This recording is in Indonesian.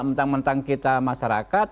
mentang mentang kita masyarakat